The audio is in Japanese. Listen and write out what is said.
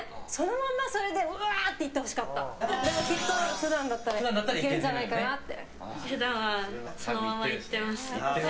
普段だったらいけるんじゃないかなって。